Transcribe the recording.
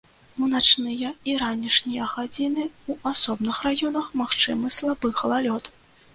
У начныя і ранішнія гадзіны ў асобных раёнах магчымы слабы галалёд.